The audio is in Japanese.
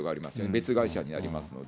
別会社にありますので。